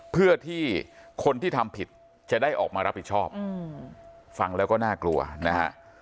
เพื่อที่คนที่ทำผิดจะได้ออกมารับผิดชอบฟังแล้วก็น่ากลัวนะฮะ